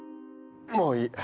もういい！